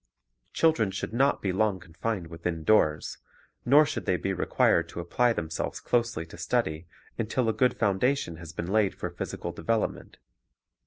Children should not be long confined within doors, nor should they be required to apply themselves closely to study until a good foundation has been laid for phys ical development.